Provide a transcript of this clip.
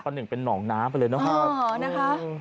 ก็หนึ่งเป็นน้องน้ำไปเลยนะคะ